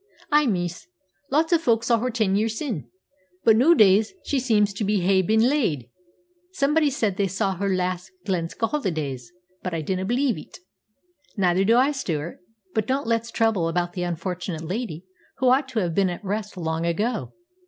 "Ay, miss. Lots o' folk saw her ten year syne. But nooadays she seems to ha'e been laid. Somebody said they saw her last Glesca holidays, but I dinna believe 't." "Neither do I, Stewart. But don't let's trouble about the unfortunate lady, who ought to have been at rest long ago.